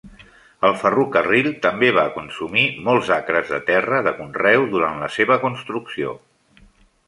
El ferrocarril també va consumir molts acres de terra de conreu durant la seva construcció.